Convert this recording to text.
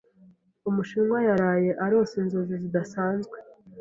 umushinwa yaraye arose inzozi zidasanzwe.